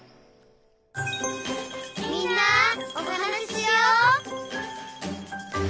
「みんなおはなししよう」